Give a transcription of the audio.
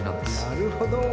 なるほど。